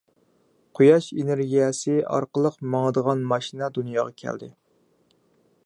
قۇياش ئېنېرگىيەسى ئارقىلىق ماڭىدىغان ماشىنا دۇنياغا كەلدى.